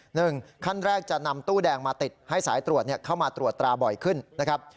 หนึ่งขั้นแรกจะนำตู้แดงมาติดให้สายตรวจเข้ามาตรวจตราบ่อยขึ้นนะครับ